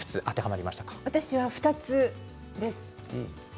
私は２つです。